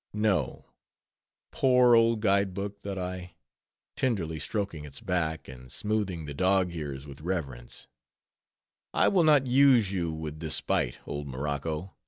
No.—Poor old guide book, thought I, tenderly stroking its back, and smoothing the dog ears with reverence; I will not use you with despite, old Morocco!